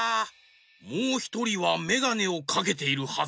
もうひとりはメガネをかけているはず。